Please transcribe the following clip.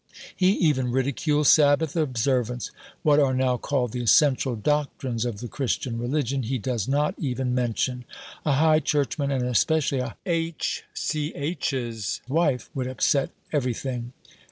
He even ridicules Sabbath observance. What are now called the "essential doctrines" of the Christian religion He does not even mention. A High Churchman and especially a H. Ch.'s wife would upset everything....